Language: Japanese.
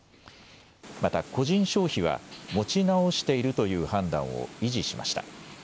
また個人消費は持ち直しているという判断を維持しました。